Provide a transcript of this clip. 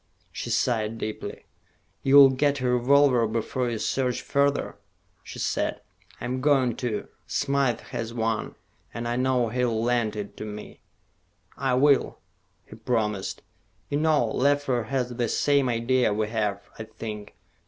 She sighed deeply. "You will get a revolver before you search further?" she said. "I'm going to. Smythe has one, and I know he'll lend it to me." "I will," he promised. "You know, Leffler has the same idea we have, I think.